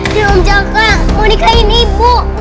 dan om jaka mau nikahin ibu